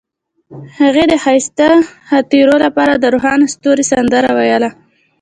هغې د ښایسته خاطرو لپاره د روښانه ستوري سندره ویله.